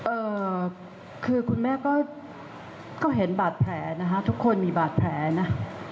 เอ่อคือคุณแม่ก็เห็นบาดแผลนะคะทุกคนมีบาดแผลนะ